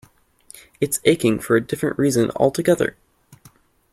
It's aching for a different reason altogether.